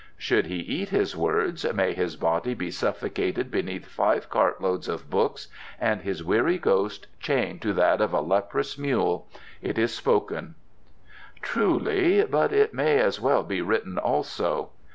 Should he eat his words, may his body be suffocated beneath five cart loads of books and his weary ghost chained to that of a leprous mule. It is spoken." "Truly. But it may as well be written also."